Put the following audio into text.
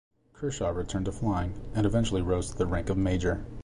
Kershaw returned to flying, and eventually rose to the rank of Major.